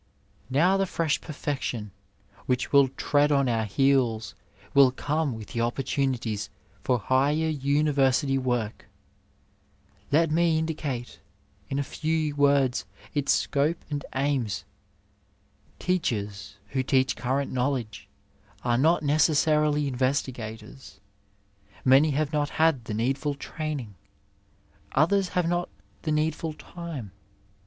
Now the fresh perfection which will tread on our heels will come with the opportunities for higher university work. Let me indicate in a few words its scope and aims.; Teachers who teach current knowledge are not necessarily investigators ; many have not had the needful training ; 134 Digitized by Google TEACHING AND THINKING others have not the needful time.